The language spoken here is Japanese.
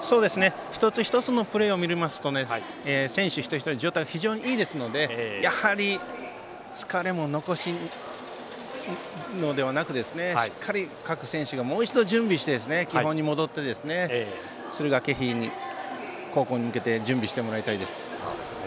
一つ一つのプレーを見ると選手一人一人の状態が非常にいいですので疲れも残すのではなくしっかり各選手がもう一度準備して基本に戻って敦賀気比高校戦に向けて準備してもらいたいです。